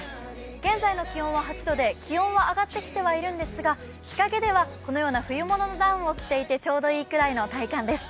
現在の気温は８度で気温は上がってきてはいるんですが日陰では、冬物のダウンを着ていてちょうどいいぐらいの体感です。